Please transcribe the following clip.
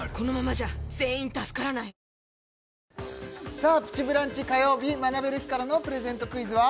さあ「プチブランチ」火曜日学べる日からのプレゼントクイズは？